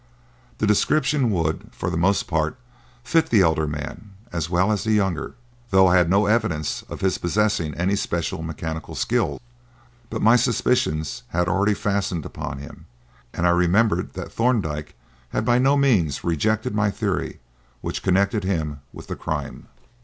The description would, for the most part, fit the elder man as well as the younger, though I had no evidence of his possessing any special mechanical skill; but my suspicions had already fastened upon him, and I remembered that Thorndyke had by no means rejected my theory which connected him with the crime.